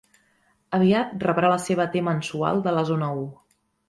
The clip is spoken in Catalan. Aviat rebrà la seva T-mensual de la zona u.